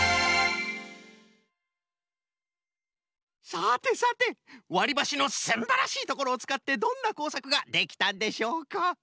さてさてわりばしのすんばらしいところをつかってどんなこうさくができたんでしょうか？